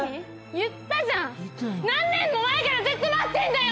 言ったじゃん何年も前からずっと待ってんだよ